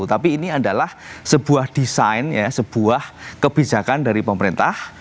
tapi ini adalah sebuah desain sebuah kebijakan dari pemerintah